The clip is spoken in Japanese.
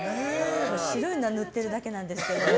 白いのは塗ってるだけなんですけど。